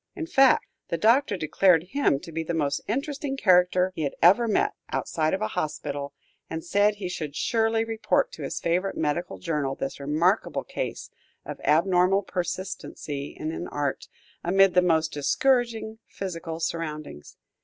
In fact, the Doctor declared him to be the most interesting character he had ever met with, outside of a hospital, and said he should surely report to his favorite medical journal this remarkable case of abnormal persistency in an art, amid the most discouraging physical surroundings.